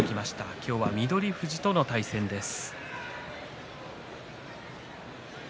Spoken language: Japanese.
今日は翠富士との対戦です。